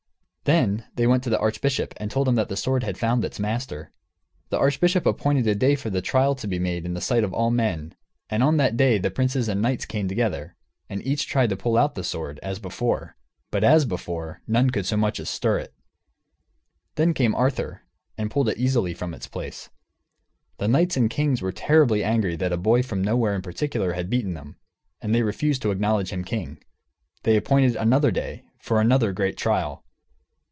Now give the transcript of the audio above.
Then they went to the archbishop and told him that the sword had found its master. The archbishop appointed a day for the trial to be made in the sight of all men, and on that day the princes and knights came together, and each tried to draw out the sword, as before. But as before, none could so much as stir it. Then came Arthur, and pulled it easily from its place. The knights and kings were terribly angry that a boy from nowhere in particular had beaten them, and they refused to acknowledge him king. They appointed another day, for another great trial.